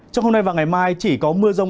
trong hôm nay và ngày mai chỉ có mưa rông